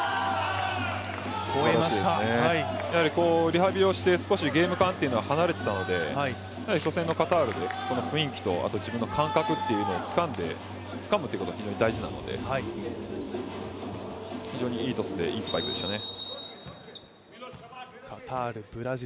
リハビリをして少しゲーム勘から離れていたので、初戦のカタールでその雰囲気と自分の感覚をつかむということが非常に大事なので、非常にいいトスで、いいスパイクでしたね。